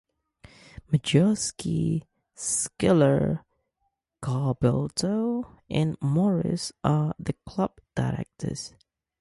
Majewski, Schiller, Garbelotto and Morris are the Club Directors.